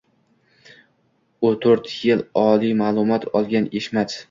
U to‘rt yil oliy ma’lumot olgan Eshmat